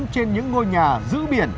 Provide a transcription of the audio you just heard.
trên những ngôi nhà giữ biển